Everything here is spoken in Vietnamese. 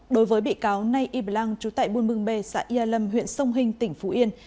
đối với bị cáo nay y blang trú tại buôn mương bê xã yà lâm huyện sông hinh tỉnh phú yên